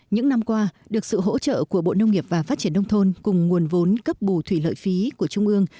những năm qua được sự hỗ trợ của bộ nông nghiệp và phát triển nông thôn cùng nguồn vốn cấp bù thủy lợi phí của trung ương